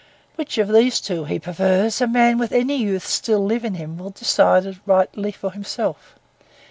Which of these two he prefers, a man with any youth still left in him will decide rightly for himself.